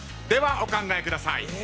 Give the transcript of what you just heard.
ではお考えください。